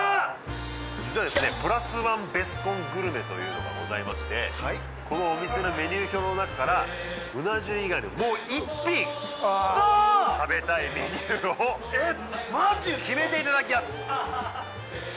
実はですねプラスワンベスコングルメというのがございましてこのお店のメニュー表の中からうな重以外のもう一品食べたいメニューをえっマジっすか決めていただきやす